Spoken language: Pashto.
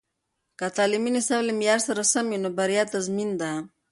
که تعلیمي نصاب له معیار سره سم وي، نو بریا تضمین ده.